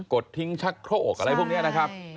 ดทิ้งชักโครกอกอะไรพวกนี้นะครับ